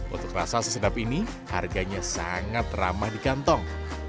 untuk rasa sesedap ini harganya sangat ramah di kantong